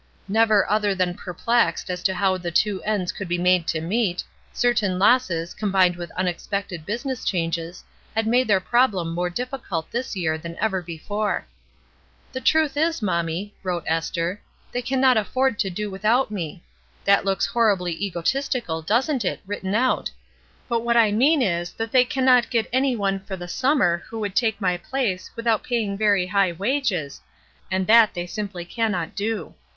Never other than perplexed as to how the two ends could be made to meet, cer tain losses, combined with unexpected business changes, had made their problem more difficult this year than ever before. ''The truth is, mommie," wrote Esther, "they cannot afford to do without me. That looks horribly ego tistical, doesn't it, written out? But what I mean is, that they cannot get any one for the summer who would take my place without pay ing very high wages, and that they simply can not do.